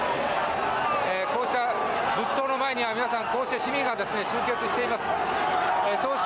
こうした仏塔の前には皆さん、市民が集結しています。